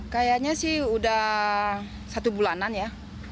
kayaknya sudah satu bulanan ya